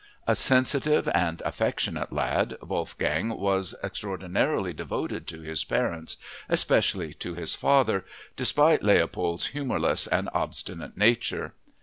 A sensitive and affectionate lad, Wolfgang was extraordinarily devoted to his parents, especially to his father, despite Leopold's humorless and obstinate nature.